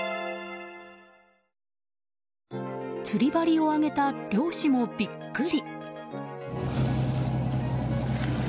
釣り針を上げた漁師もビックリ。